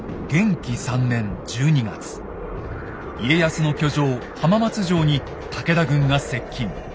家康の居城・浜松城に武田軍が接近。